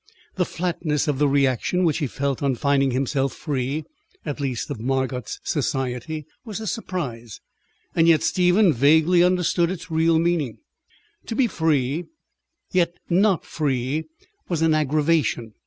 The flatness of the reaction which he felt on finding himself free, at least of Margot's society, was a surprise; and yet Stephen vaguely understood its real meaning. To be free, yet not free, was an aggravation.